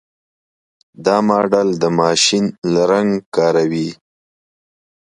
دا ماډل د ماشین لرنګ کاروي.